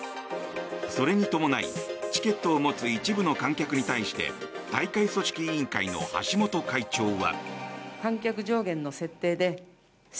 それに伴いチケットを持つ一部の観客に対して大会組織委員会の橋本会長は。